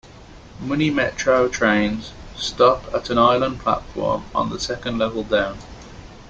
Muni Metro trains stop at an island platform on the second level down.